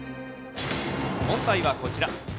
問題はこちら。